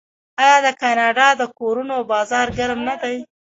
آیا د کاناډا د کورونو بازار ګرم نه دی؟